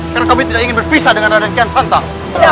karena kami tidak ingin berpisah dengan raden kian santang